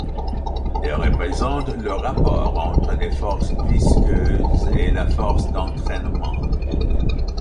Il représente le rapport entre les forces visqueuses et la force d'entraînement.